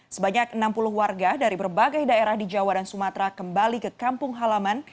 sebanyak enam puluh warga dari berbagai daerah di jawa dan sumatera kembali ke kampung halaman